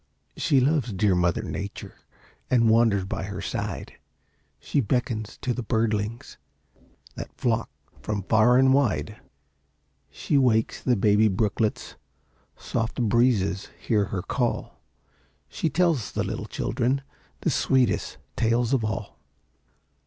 She loves dear Mother Nature, And wanders by her side; She beckons to the birdlings That flock from far and wide. She wakes the baby brooklets, Soft breezes hear her call; She tells the little children The sweetest tales of all.